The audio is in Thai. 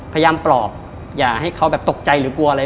พยายามปลอบอย่าให้เขาแบบตกใจหรือกลัวอะไร